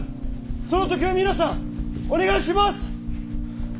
その時は皆さんお願いします！